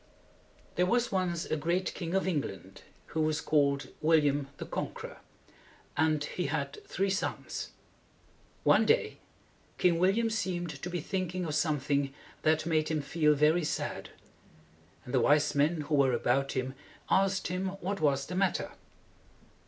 There was once a great king of England who was called Wil liam the Con quer or, and he had three sons. [Illustration: "Sea, I command you to come no farther!"] One day King Wil liam seemed to be thinking of something that made him feel very sad; and the wise men who were about him asked him what was the matter.